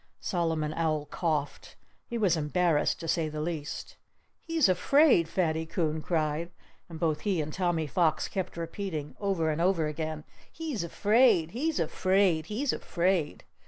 Solomon Owl coughed. He was embarrassed, to say the least. "He's afraid!" Fatty Coon cried. And both he and Tommy Fox kept repeating, over and over again, "He's afraid! He's afraid! He's afraid!"